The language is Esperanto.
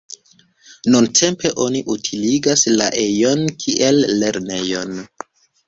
Nuntempe oni utiligas la ejon kiel lernejon.